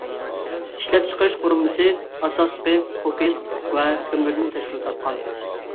ئىشلەپچىقىرىش قۇرۇلمىسى ئاساسلىقى كوكس ۋە كۆمۈردىن تەشكىل تاپقان.